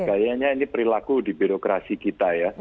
kayaknya ini perilaku di birokrasi kita ya